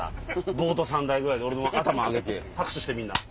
ボート３台ぐらいで俺の頭上げて拍手してみんな。